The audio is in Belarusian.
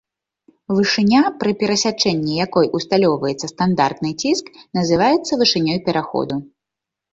Вышыня, пры перасячэнні якой усталёўваецца стандартны ціск, называецца вышынёй пераходу.